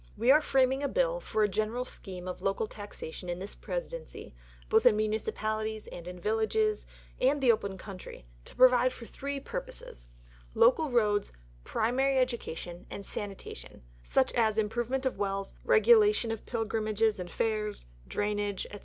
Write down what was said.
We are framing a Bill for a general scheme of local taxation in this Presidency, both in municipalities and in villages, and the open country, to provide for three purposes local roads, primary education, and Sanitation such as improvement of wells, regulation of pilgrimages and fairs, drainage, &c.